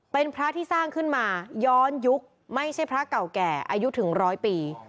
เป็นพระที่สร้างขึ้นมาย้อนยุคไม่ใช่พระเก่าแก่อายุถึงร้อยปี